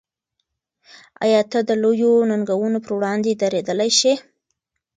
آیا ته د لویو ننګونو پر وړاندې درېدلی شې؟